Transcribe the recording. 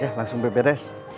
ya langsung beberes